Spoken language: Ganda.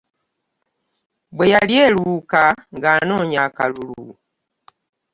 Bwe yali e Luuka ng'anoonya akalulu.